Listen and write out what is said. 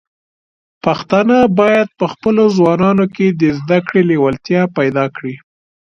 پښتانه بايد په خپلو ځوانانو کې د زده کړې لیوالتیا پيدا کړي.